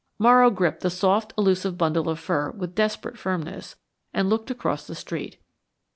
Morrow gripped the soft, elusive bundle of fur with desperate firmness and looked across the street.